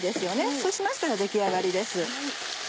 そうしましたら出来上がりです。